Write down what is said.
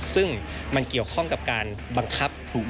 ซึ่งมันเกี่ยวข้องกับการบังคับถูก